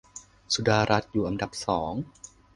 สุดารัตน์อยู่อันดับสอง